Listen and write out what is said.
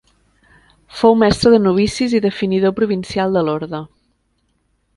Fou mestre de novicis i definidor provincial de l'orde.